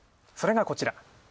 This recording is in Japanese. それがこちら。